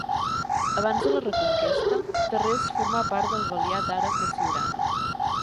Abans de la reconquesta, Tarrés formà part del valiat àrab de Siurana.